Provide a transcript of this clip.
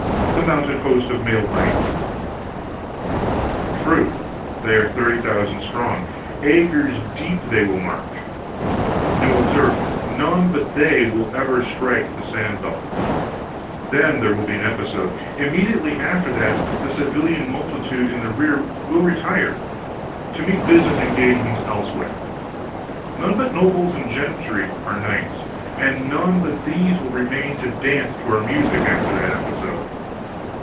"The mounted host of mailed knights." "True. They are thirty thousand strong. Acres deep they will march. Now, observe: none but they will ever strike the sand belt! Then there will be an episode! Immediately after, the civilian multitude in the rear will retire, to meet business engagements elsewhere. None but nobles and gentry are knights, and none but these will remain to dance to our music after that episode.